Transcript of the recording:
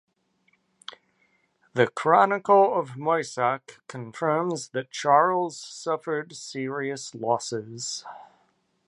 The "Chronicle of Moissac" confirms that Charles suffered serious losses.